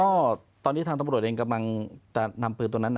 ก็ตอนนี้ทางตำรวจเองกำลังจะนำปืนตัวนั้น